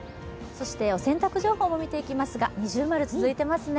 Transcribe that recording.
お洗濯情報も見ていきますが、◎続いていますね。